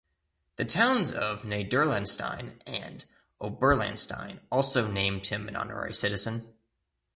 The towns of Niederlahnstein and Oberlahnstein also named him an honorary citizen.